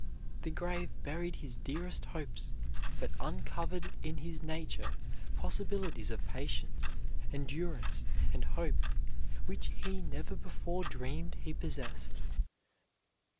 The grave buried his dearest hopes, but uncovered in his nature possibilities of patience, endurance, and hope which he never before dreamed he possessed.